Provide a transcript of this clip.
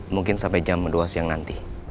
mungkin sampai jam dua siang nanti